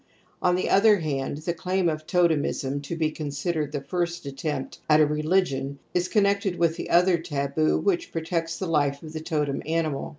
On the other hand the claim of totemism to be considered the first attempt at a religion is con nected with the other taboo which protects the life of the totem animal.